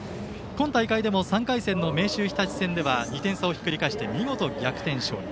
今大会でも３回戦の明秀日立戦では２点差をひっくり返して見事、逆転勝利。